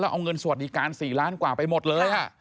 เอาเงินสวัสดิการ๔ล้านกว่าไปหมดเลย